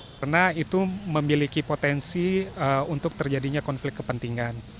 karena itu memiliki potensi untuk terjadinya konflik kepentingan